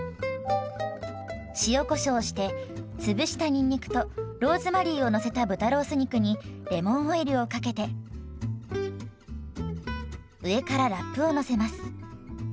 塩こしょうして潰したにんにくとローズマリーをのせた豚ロース肉にレモンオイルをかけて上からラップをのせます。